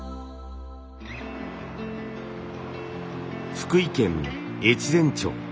福井県越前町。